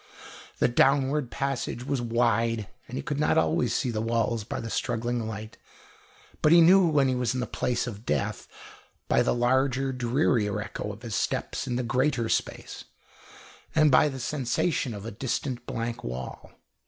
The downward passage was wide, and he could not always see the walls by the struggling light, but he knew when he was in the place of death by the larger, drearier echo of his steps in the greater space, and by the sensation of a distant blank wall.